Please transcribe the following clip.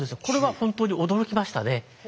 これは本当に驚きましたね。